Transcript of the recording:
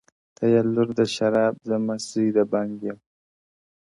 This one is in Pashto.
o ته یې لور د شراب، زه مست زوی د بنګ یم،